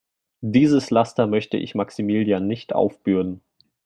Dieses Laster möchte ich Maximilian nicht aufbürden.